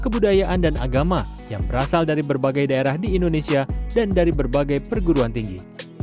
kebudayaan dan agama yang berasal dari berbagai daerah di indonesia dan dari berbagai perguruan tinggi